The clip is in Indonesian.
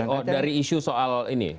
oh dari isu soal ini